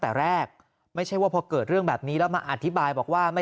แต่แรกไม่ใช่ว่าพอเกิดเรื่องแบบนี้แล้วมาอธิบายบอกว่าไม่